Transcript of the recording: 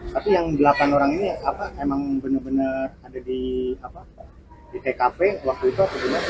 tapi yang delapan orang ini apa emang benar benar ada di tkp waktu itu atau gimana